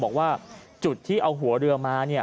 บอกว่าจุดที่เอาหัวเรือมา